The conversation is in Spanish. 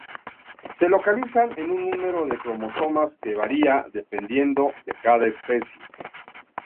Se localizan en un número de cromosomas que varía dependiendo de cada especie.